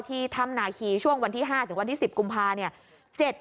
ถ้ำนาคีช่วงวันที่๕ถึงวันที่๑๐กุมภาเนี่ย